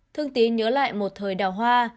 thương tín nhớ lại một thời đảo hoa